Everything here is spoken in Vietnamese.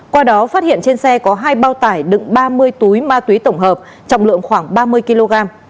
qua đó phát hiện trên xe có hai bao tải đựng ba mươi túi ma túy tổng hợp trọng lượng khoảng ba mươi kg